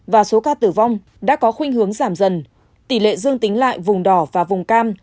và số ca tử vong đã có khuyên hướng giảm dần tỷ lệ dương tính lại vùng đỏ và vùng cam